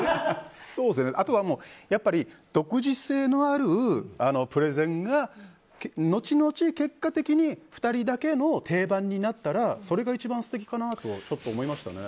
あとは、やっぱり独自性のあるプレゼンが後々、結果的に２人だけの定番になったらそれが一番素敵かなと思いましたね。